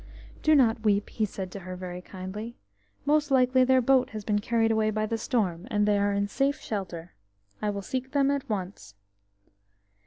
"Do not weep!" he said to her very kindly. "Most likely their boat has been carried away by the storm, and they are in safe shelter. I will seek them at once."